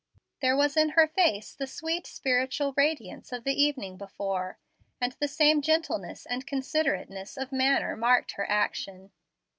There was in her face the sweet spiritual radiance of the evening before, and the same gentleness and considerateness of manner marked her action.